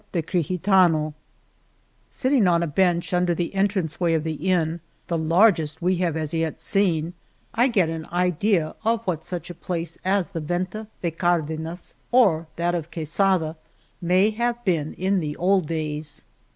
" 140 El Toboso Sitting on a bench under the entrance way of the inn — the largest we have as yet seen — I get an idea of what such a place as the Venta de Cardenas, or that of Quesada, may have been in the old days.